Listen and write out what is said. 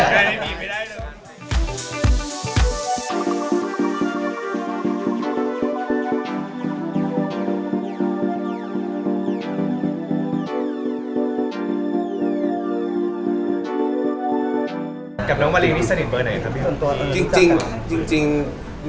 กับน้องวาลีนี่สนิทเบอร์ไหนครับ